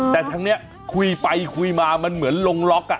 แต่ทางนี้คุยไปคุยมามันเหมือนลงล็อก